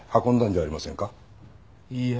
いいえ。